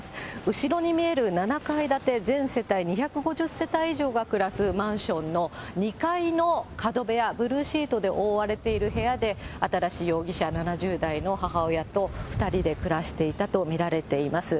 後ろに見える７階建て、全世帯２５０世帯以上が暮らすマンションの２階の角部屋、ブルーシートで覆われている部屋で、新容疑者、７０代の母親と２人で暮らしていたと見られています。